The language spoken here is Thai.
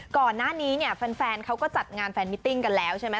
ก่อนหน้านี้แฟนเค้าก็จัดงานแฟนมิตติ้งก่อนแล้วใช่มั้ย